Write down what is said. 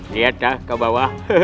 lihatlah ke bawah